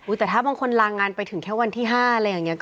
แต่ถ้าบางคนลางานไปถึงแค่วันที่๕อะไรอย่างนี้